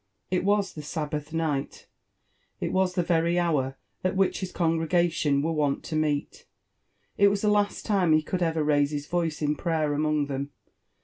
It was the Sabbath night— it was the very hour at wMeh his eongregation were wont to meet — it was the last timehiv could ever raise his voice in prayer among them.